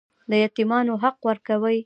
د یتیمانو حق ورکوئ؟